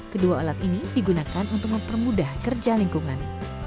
kedua alat ini digunakan untuk mempermudah kerja lingkungan